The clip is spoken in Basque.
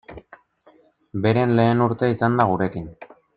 Beren lehen urtea izan da gurekin.